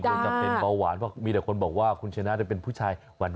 จะเป็นเบาหวานเพราะมีแต่คนบอกว่าคุณชนะเป็นผู้ชายหวาน